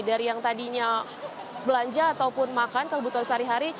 dari yang tadinya belanja ataupun makan kalau butuh hari hari